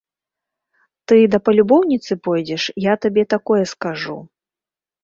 Ты да палюбоўніцы пойдзеш, я табе такое скажу.